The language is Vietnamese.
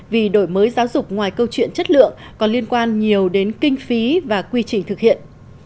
vì đổi mới giáo dục ngoài câu chuyện chất lượng còn liên quan nhiều đến kinh phí và quy trình thực hiện